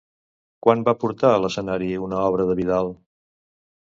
Quan va portar a l'escenari una obra de Vidal?